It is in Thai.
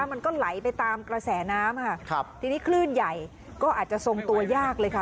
มันก็ไหลไปตามกระแสน้ำค่ะครับทีนี้คลื่นใหญ่ก็อาจจะทรงตัวยากเลยค่ะ